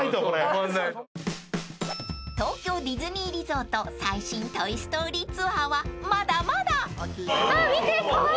［東京ディズニーリゾート最新『トイ・ストーリー』ツアーはまだまだ］